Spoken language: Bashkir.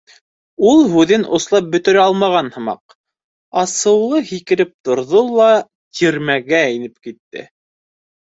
— Ул һүҙен ослап бөтөрә алмаған һымаҡ, асыулы һикереп торҙо ла тирмәгә инеп китте.